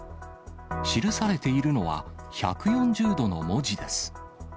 記されているのは、１４０度の文字です。